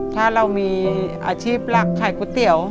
ถ้าเรามีอาชีพหลักขายก๋วยเตี๋ยว